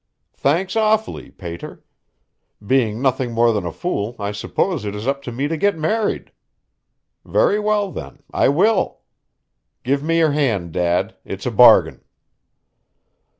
"Thanks, awfully, pater. Being nothing more than a fool I suppose it is up to me to get married. Very well, then, I will. Give me your hand, dad; it's a bargain."